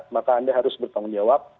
maka anda harus bertanggung jawab